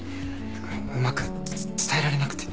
うまく伝えられなくて。